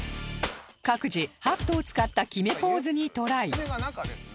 各自ハットを使った決めポーズにトライ